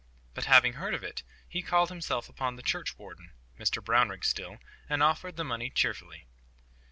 But, having heard of it, he called himself upon the churchwarden—Mr Brownrigg still—and offered the money cheerfully.